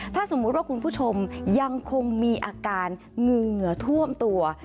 ถ้าสมมุติว่าคุณผู้ชมยังคงมีอาการเหงื่อท่วมตัว